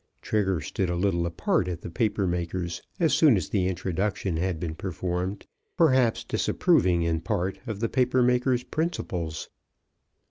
Trigger stood a little apart at the paper maker's, as soon as the introduction had been performed, perhaps disapproving in part of the paper maker's principles.